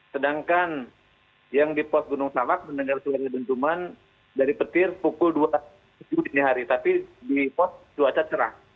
sedangkan yang di pos gunung salak mendengar suara dentuman dari petir pukul dua hari tapi di pos cuaca cerah